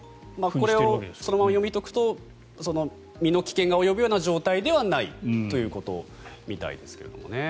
これをそのまま読み解くと身の危険が及ぶような状態ではないということみたいです。